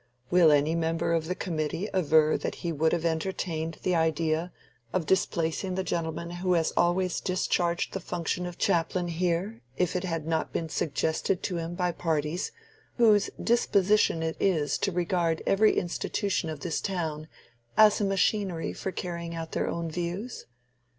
Will any member of the committee aver that he would have entertained the idea of displacing the gentleman who has always discharged the function of chaplain here, if it had not been suggested to him by parties whose disposition it is to regard every institution of this town as a machinery for carrying out their own views?